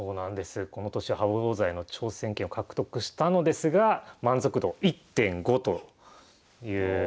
この年羽生王座への挑戦権を獲得したのですが満足度１．５ということで。